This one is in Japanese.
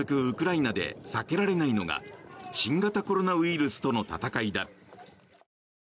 ウクライナで避けられないのが新型コロナウイルスとの闘いだ。